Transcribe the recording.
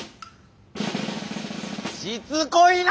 しつこいな！